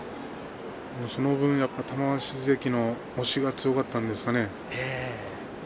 その分、玉鷲関の押しが強かったんでしょうかね。